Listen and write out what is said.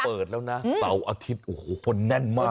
เปิดแล้วนะเสาร์อาทิตย์โอ้โหคนแน่นมาก